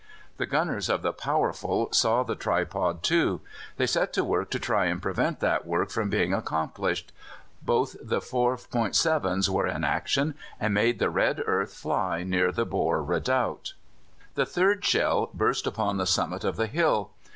The gunners of the Powerful saw the tripod too. They set to work to try and prevent that work from being accomplished; both the 4·7's were in action, and made the red earth fly near the Boer redoubt. The third shell burst upon the summit of the hill.